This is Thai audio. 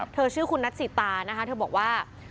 เธอชื่อคุณนัทสิตานะคะเธอบอกว่า